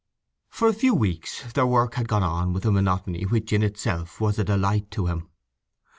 For a few weeks their work had gone on with a monotony which in itself was a delight to him.